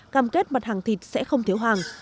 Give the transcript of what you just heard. cam kết mặt hàng thịt sẽ không thiếu hàng